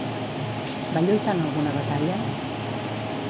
Va lluitar en alguna batalla?